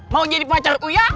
mau jadi pacar uya